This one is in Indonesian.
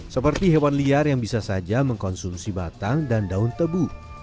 seperti hewan liar yang bisa saja mengkonsumsi batang dan daun tebu